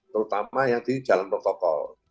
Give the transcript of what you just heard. terutama yang di jalan protokol